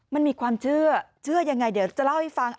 มันมีความเชื่อเชื่อยังไงเดี๋ยวจะเล่าให้ฟัง